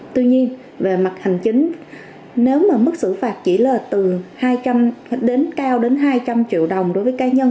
tuy nhiên về mặt hành chính nếu mức xử phạt chỉ là cao đến hai trăm linh triệu đồng đối với cá nhân